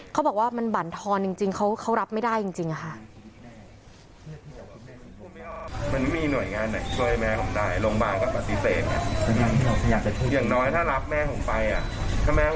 เขาบอกว่ามันบั่นทอนจริงเขารับไม่ได้จริงค่ะ